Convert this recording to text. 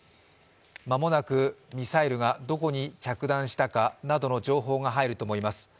間もなくミサイルがどこに着弾したかなどの情報が入ると思います。